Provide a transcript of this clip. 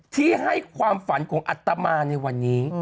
ที่ให้ความฝันของอัตมาในวันนี้